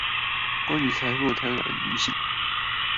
關於財富、貪婪與幸福